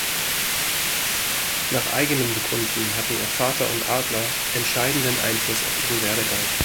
Nach eigenem Bekunden hatten ihr Vater und Adler entscheidenden Einfluss auf ihren Werdegang.